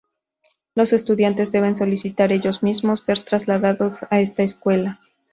Los estudiantes deben solicitar ellos mismos ser trasladados a esta escuela.